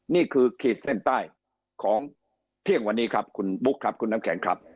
ขีดเส้นใต้ของเที่ยงวันนี้ครับคุณบุ๊คครับคุณน้ำแข็งครับ